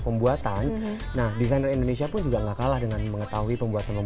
pembuatan nah desainer indonesia pun juga enggak kalah dengan teknik tekniknya dari dunia itu disani